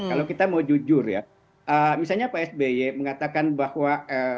kalau kita mau jujur ya misalnya pak sby mengatakan bahwa